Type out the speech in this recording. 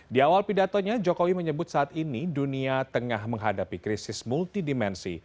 di awal pidatonya jokowi menyebut saat ini dunia tengah menghadapi krisis multidimensi